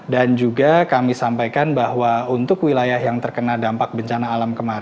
dan juga kami sampaikan bahwa untuk wilayah yang terkena dampak bencana alam